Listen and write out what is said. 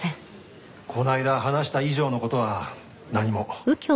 この間話した以上の事は何も。